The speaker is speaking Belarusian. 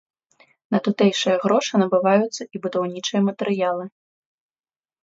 На тутэйшыя грошы набываюцца і будаўнічыя матэрыялы.